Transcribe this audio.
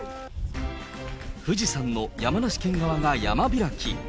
富士山の山梨県側が山開き。